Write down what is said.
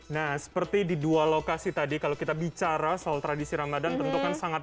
nah seperti di dua lokasi tadi kalau kita bicara soal tradisi ramadhan tentukan sangat